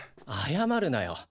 謝るなよ。